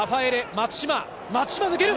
松島、抜ける！